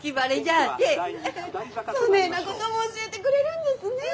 そねえなことも教えてくれるんですねえ。